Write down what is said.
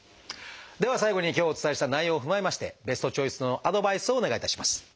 では最後に今日お伝えした内容を踏まえましてベストチョイスのアドバイスをお願いいたします。